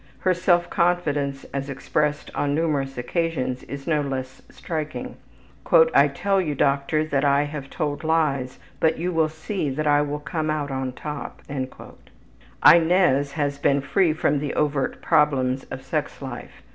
Her self confidence as expressed on numerous occasions is no less striking. ``I tell you, doctor, that I have told lies, but you will see that I will come out on top.'' Inez has been free from the overt problems of sex life.